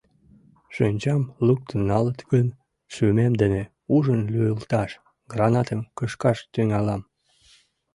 Шинчам луктын налыт гын, шӱмем дене ужын лӱйылташ, гранатым кышкаш тӱҥалам.